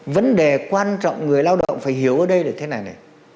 vấn đề quan trọng người lao động phải hiểu ở đây là thế này này